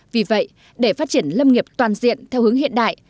vì vậy để phát triển lâm nghiệp toàn diện theo hướng hiện đại